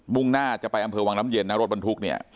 ่งหน้าจะไปอำเภอวังน้ำเย็นนะรถบรรทุกเนี่ย